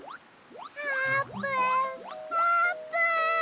あーぷんあーぷん！